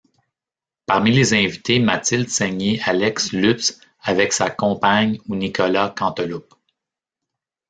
Parmi les invités, Mathilde Seigner, Alex Lutz, avec sa compagne, ou Nicolas Canteloup.